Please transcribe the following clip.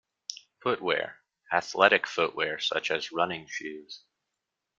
Footwear: Athletic footwear such as running shoes.